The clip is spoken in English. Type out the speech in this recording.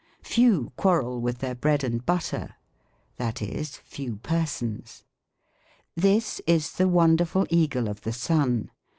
"Few quarrel with their bread and butter;" that is, " few persons." " This is the wonderful eagle of the sun."